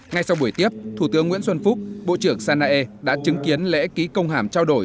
ngay sau buổi tiếp thủ tướng nguyễn xuân phúc bộ trưởng sanae đã chứng kiến lễ ký công hàm trao đổi